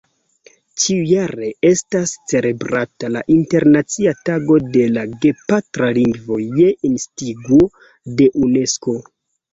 Ĉiujare estas celebrata la Internacia Tago de la Gepatra Lingvo je instigo de Unesko.